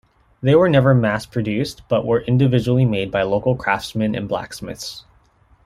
They were never mass-produced but were individually made by local craftsmen and blacksmiths.